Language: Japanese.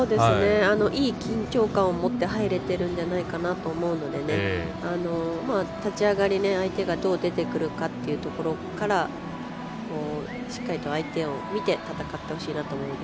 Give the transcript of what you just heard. いい緊張感を持って入れているんじゃないかなと思うので立ち上がり、相手がどう出てくるかっていうところからしっかりと相手を見て戦ってほしいなと。